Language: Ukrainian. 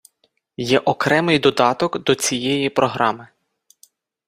Є окремий додаток до цієї програми.